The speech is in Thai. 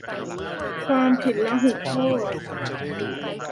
ความผิดลหุโทษ